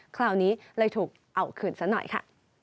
คราวนี้เลยถูกเอาคืนซะหน่อยค่ะ